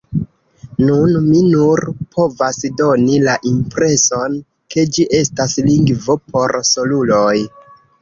Nun, mi nur povas doni la impreson ke ĝi estas lingvo por soluloj.